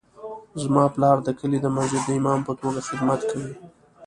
زما پلار د کلي د مسجد د امام په توګه خدمت کوي